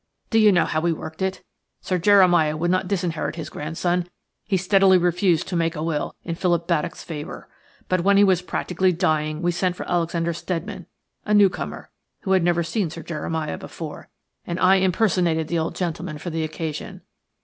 "Do you know how we worked it? Sir Jeremiah would not disinherit his grandson–he steadily refused to make a will in Philip Baddock's favour. But when he was practically dying we sent for Alexander Steadman–a newcomer, who had never seen Sir Jeremiah before–and I impersonated the old gentleman for the occasion.